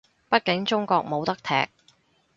畢竟中國冇得踢